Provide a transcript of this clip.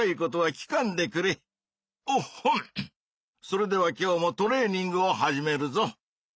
それでは今日もトレーニングを始めるぞ！